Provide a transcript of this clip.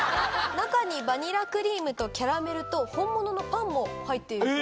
中にバニラクリームとキャラメルと本物のパンも入っているそうです。